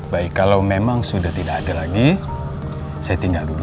baik kalau memang sudah tidak ada lagi saya tinggal dulu